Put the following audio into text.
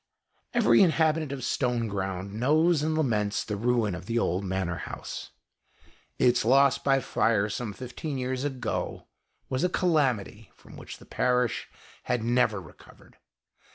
Every inhabitant of Stoneground knows, and laments, the ruin of the old Manor House. Its loss by fire some fifteen years ago was a calamity from which the parish has never recovered.